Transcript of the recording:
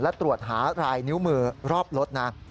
และตรวจหาลายนิ้วมือรอบรถนะ